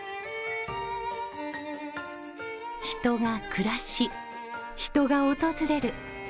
人が暮らし人が訪れる。